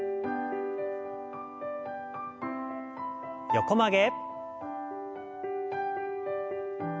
横曲げ。